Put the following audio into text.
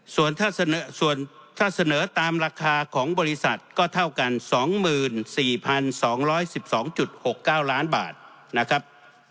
ส่วนถ้าเสนอส่วนถ้าเสนอตามราคาของบริษัทก็เท่ากันสองหมื่นสี่พันสองร้อยสิบสองจุดหกเก้าล้านบาทนะครับ